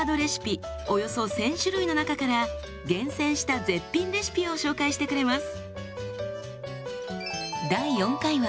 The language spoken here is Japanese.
およそ１，０００種類の中から厳選した絶品レシピを紹介してくれます。